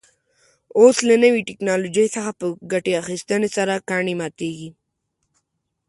اوس له نوې تکنالوژۍ څخه په ګټې اخیستنې سره کاڼي ماتېږي.